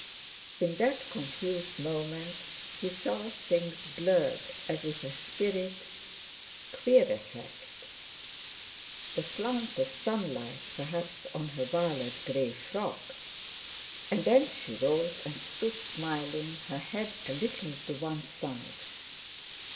In that confused moment he saw things blurred, as if a spirit—queer effect—the slant of sunlight perhaps on her violet grey frock! And then she rose and stood smiling, her head a little to one side.